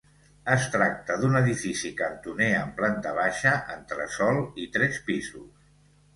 Es tracta d'un edifici cantoner amb planta baixa, entresòl i tres pisos.